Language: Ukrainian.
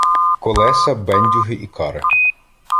Колеса, бендюги і кари